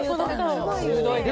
すごいよね。